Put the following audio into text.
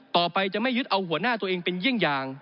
ต่อไปจะไม่ยึดเอาหัวหน้าตัวเองเป็นเยี่ยงอย่าง